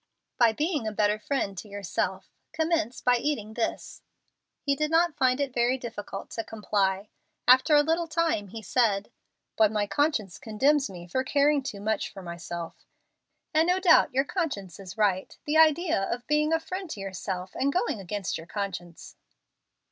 "By being a better friend to yourself. Commence by eating this." He did not find it very difficult to comply. After a little time he said, "But my conscience condemns me for caring too much for myself." "And no doubt your conscience is right. The idea of being a friend to yourself and going against your conscience!"